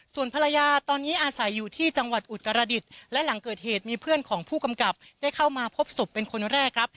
ส่วนภรรยาตอนนี้อาศัยอยู่ที่จังหวัดอุตรดิษฐ์และหลังเกิดเหตุมีเพื่อนของผู้กำกับได้เข้ามาพบศพเป็นคนแรกครับ